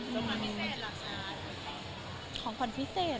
แล้วของขวัญพิเศษล่ะชาร์จ